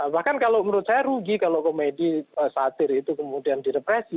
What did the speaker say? bahkan kalau menurut saya rugi kalau komedi satir itu kemudian direpresi